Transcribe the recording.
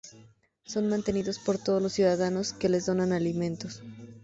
Son mantenidos por todos los ciudadanos que les donan alimentos.